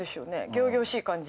仰々しい感じ？